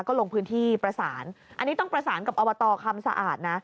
ก็ลงพื้นที่ประสานอันนี้ต้องประสานกับอบตคำสะอาดนะ